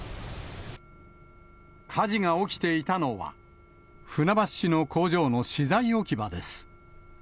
火事が起きていたのは、船橋市の工場の資材置き場です。